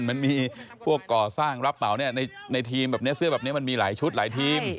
มันมีพวกก่อสร้างรับเหล่าเทียมซื้อแบบนี้มันมีหลายชุดหลายทีม